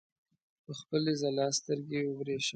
په خپلې ځلا سترګې وبرېښوي.